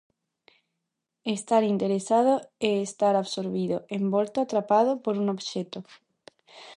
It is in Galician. Estar interesado é estar absorbido, envolto, atrapado, por un obxecto.